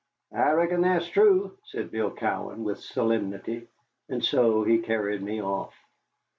"I reckon that's true," said Bill Cowan, with solemnity, and so he carried me off.